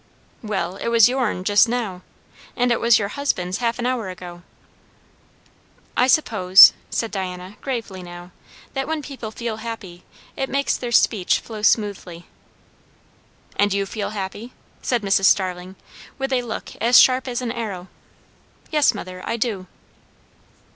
"Well it was your'n just now. And it was your husband's half an hour ago." "I suppose," said Diana, gravely now, "that when people feel happy, it makes their speech flow smoothly." "And you feel happy?" said Mrs. Starling with a look as sharp as an arrow. "Yes, mother. I do."